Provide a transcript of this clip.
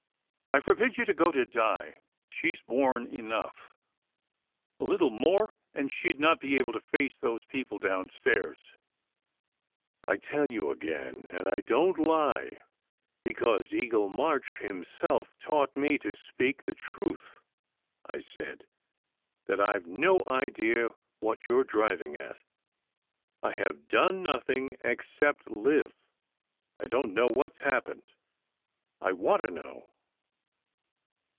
"I forbid you to go to Di. She s borne enough. A little more, and she d not be able to face those people downstairs." 190 SECRET HISTORY " I tell you again, and I don t lie, because Eagle March himself taught me to speak the truth," I said, "that I ve no idea what you re driving at. I have done nothing, except live. I don t know what s happened. I want to know."